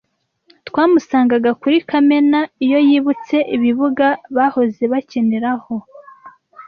twamusangaga kuri Kamena iyo yibutse ibibuga bahoze bakiniraho